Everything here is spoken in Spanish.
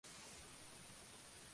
Scuola Norm.